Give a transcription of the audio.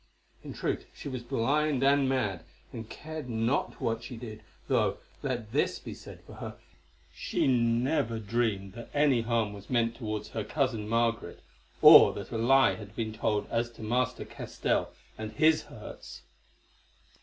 In truth she was blind and mad, and cared not what she did, though, let this be said for her, she never dreamed that any harm was meant towards her cousin Margaret, or that a lie had been told as to Master Castell and his hurts.